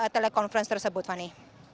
telekonferensi tersebut fani